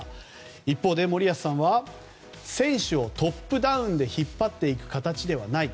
一方、森保さんは選手をトップダウンで引っ張っていく形ではない。